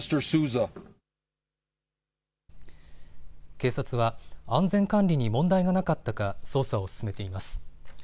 警察は安全管理に問題がなかったか捜査を進めています。